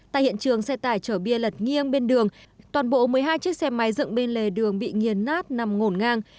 tại hiện trường xe tải chở bia lật nghiêng bên đường toàn bộ một mươi hai chiếc xe máy dựng bên lề đường bị nghiền nát nằm ngổn ngang